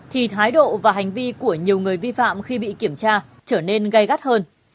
thì thái độ và hành vi của nhiều người vi phạm khi bị kiểm tra trở nên gây gắt hơn